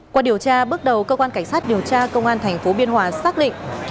qua điều tra bước đầu cơ quan cảnh sát điều tra công an tp biên hòa xác định